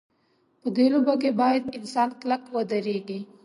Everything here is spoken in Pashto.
په دې لوبه کې باید انسان کلک ودرېږي.